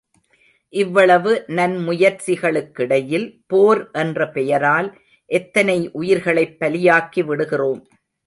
இவ்வளவு நன்முயற்சிகளுக்கிடையில், போர் என்ற பெயரால், எத்தனை உயிர்களைப் பலியாக்கி விடுகிறோம்.